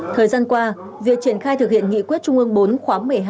thời gian qua việc triển khai thực hiện nghị quyết trung ương bốn khóa một mươi hai